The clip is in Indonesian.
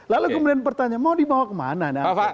lalu kemudian pertanyaan mau dibawa kemana